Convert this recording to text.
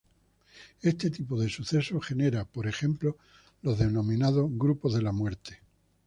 Este tipo de sucesos genera, por ejemplo, los denominados "grupos de la muerte".